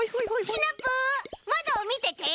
シナプーまどをみてて！